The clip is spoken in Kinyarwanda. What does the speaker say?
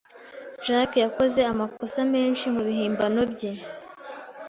Jack yakoze amakosa menshi mubihimbano bye.